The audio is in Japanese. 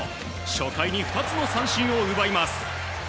初回に２つの三振を奪います。